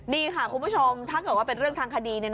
นี่ค่ะคุณผู้ชมถ้าเกิดว่าเป็นเรื่องทางคดี